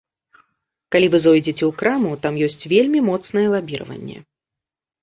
Калі вы зойдзеце ў краму, там ёсць вельмі моцнае лабіраванне.